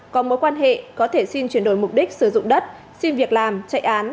có mối quan hệ có thể xin chuyển đổi mục đích sử dụng đất xin việc làm chạy án